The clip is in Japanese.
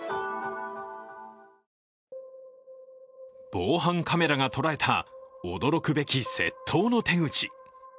防犯カメラが捉えた驚くべき窃盗の手口。